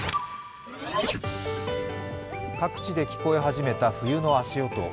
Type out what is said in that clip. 各地で聞こえ始めた冬の足音。